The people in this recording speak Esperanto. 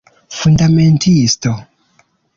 Fundamentisto.